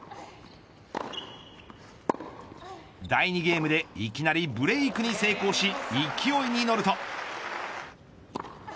第２ゲームでいきなりブレークに成功し勢いに乗ると。